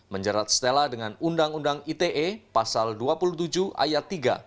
menjerat stella dengan undang undang ite pasal dua puluh tujuh ayat tiga